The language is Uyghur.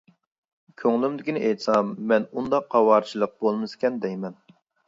كۆڭلۈمدىكىنى ئېيتسام مەن ئۇنداق ئاۋارىچىلىك بولمىسىكەن دەيمەن.